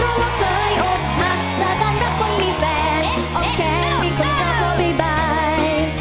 รู้ว่าเคยอบหักสะกันก็คงมีแฟนออกแขนมีคนเกาะบ่าย